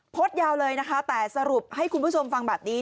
โพสต์ยาวเลยนะคะแต่สรุปให้คุณผู้ชมฟังแบบนี้